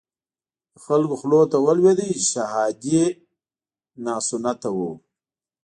د خلکو خولو ته ولويده چې شهادي ناسنته وو.